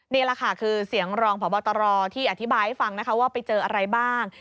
นี่แหละค่ะคือเสียงรองพบตรที่อธิบายให้ฟังนะคะว่าไปเจออะไรบ้าง